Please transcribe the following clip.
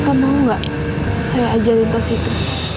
kamu mau gak saya ajarin tas itu